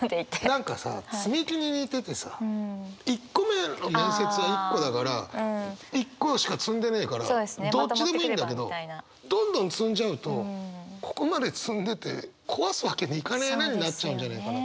何か積み木に似ててさ一個目の面接は一個だから一個しか積んでねえからどっちでもいいんだけどどんどん積んじゃうとここまで積んでて壊すわけにいかねえなになっちゃうんじゃないかな。